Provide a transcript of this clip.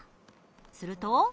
すると？